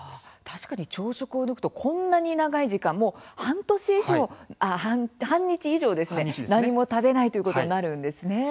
確かに、朝食を抜くとこんなに長い時間、半日以上何も食べないということになるんですね。